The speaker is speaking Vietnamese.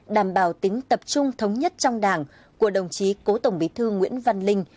cao tính tập trung thống nhất trong đảng của đồng chí cố tổng bí thư nguyễn văn linh